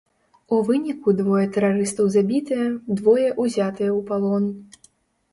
У выніку двое тэрарыстаў забітыя, двое ўзятыя ў палон.